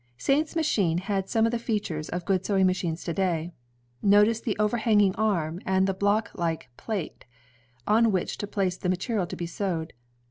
..." Saint's machine had some of the features of good sewing machines to day. Notice the overhanging arm and the block like plate on which to place the material to be sewed.